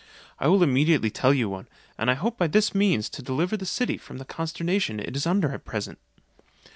I will immediately tell you one; and I hope by this means to deliver the city from the consternation it is under at present."